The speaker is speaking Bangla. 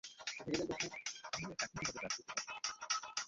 তাহলে এখন কীভাবে রাগ করতে পারি?